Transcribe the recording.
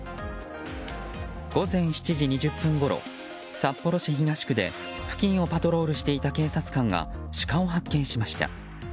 午前７時２０分ごろ札幌市東区で付近をパトロールしていた警察官がシカを発見しました。